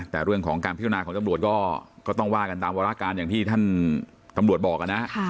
แต่เรื่องของการพิจารณาของตำรวจก็ต้องว่ากันตามวาราการอย่างที่ท่านตำรวจบอกนะ